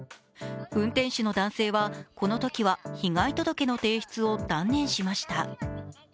運転手の男性はこのときは被害届の提出を断念しました。